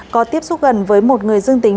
có tiếp xúc gần với một người dương tính